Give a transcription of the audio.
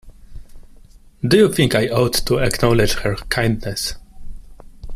Do you think I ought to acknowledge her kindness?